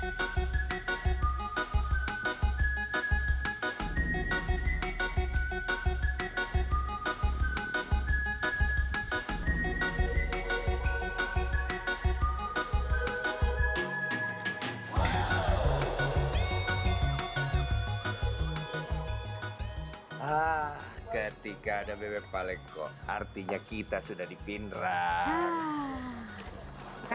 nah ketika ada bebek paleko artinya kita sudah dipindahkan